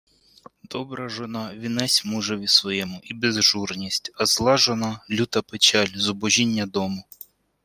Добра жона – вінець мужеві своєму і безжурність, а зла жона – люта печаль, зубожіння дому.